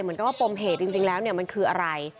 เหมือนกันว่าปมเหตุจริงแล้วเนี่ยมันคืออะไร